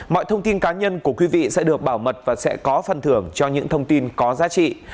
mọi thông tin cá nhân của quý vị sẽ được bảo mật và sẽ có phần thưởng cho những thông tin có giá trị